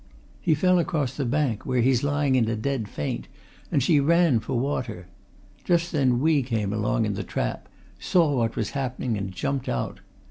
He fell across the bank where he's lying in a dead faint, and she ran for water. Just then we came along in the trap, saw what was happening and jumped out.